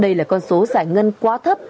đây là con số giải ngân quá thấp